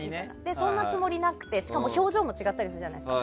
そんなつもりなくてしかも表情も違ったりするじゃないですか。